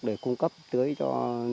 để cung cấp tưới cho